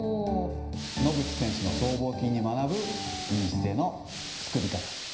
野口選手の僧帽筋に学ぶ、いい姿勢の作り方。